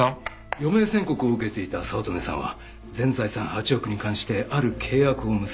余命宣告を受けていた早乙女さんは全財産８億に関してある契約を結んでいました。